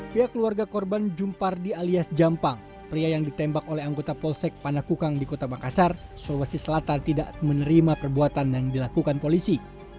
pihak keluarga korban jumpardi alias jampang pria yang ditembak oleh anggota polsek panakukang di kota makassar sulawesi selatan tidak menerima perbuatan yang dilakukan polisi